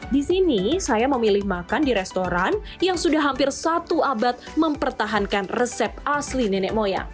di sini saya memilih makan di restoran yang sudah hampir satu abad mempertahankan resep asli nenek moyang